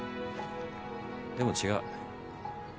でも違う。